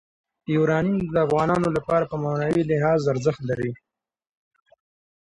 یورانیم د افغانانو لپاره په معنوي لحاظ ارزښت لري.